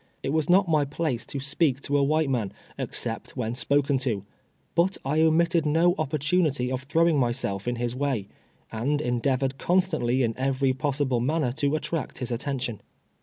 It was not my place to speak to a white man except when spoken to, but I omitted no oppor tunity of throwing myself in his way, and endeavored constantly in every possible manner to attract his attention.